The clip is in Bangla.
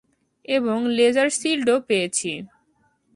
এবং লেজার শিল্ডও পেয়েছি।